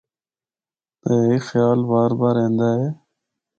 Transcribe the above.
تے ہک خیال بار بار ایندا ہے۔